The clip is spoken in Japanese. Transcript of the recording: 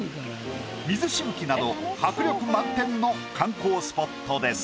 水しぶきなど迫力満点の観光スポットです。